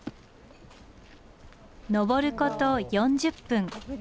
上ること４０分。